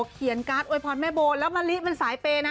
เขียนการ์ดโอยพรแม่โบแล้วมะลิเป็นสายเปย์นะ